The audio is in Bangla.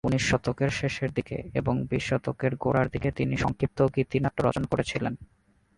উনিশ শতকের শেষের দিকে এবং বিশ শতকের গোড়ার দিকে তিনি সংক্ষিপ্ত গীতিনাট্য রচনা করেছিলেন।